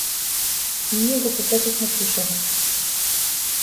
Ние го посетивме Крушево.